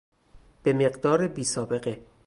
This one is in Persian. به مقدار بی سابقه